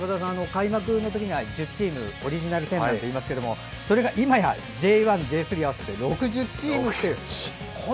開幕のころは１０チームオリジナル１０なんていいますがそれがいまやＪ１からＪ３まで合わせて６０チームという。